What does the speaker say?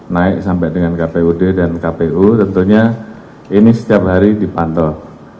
naik sampai dengan kpud dan kpu tentunya ini setiap hari dipantau